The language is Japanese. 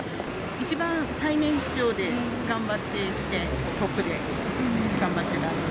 一番最年長で頑張ってきて、トップで頑張ってたので。